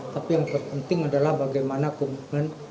tapi yang terpenting adalah bagaimana komitmen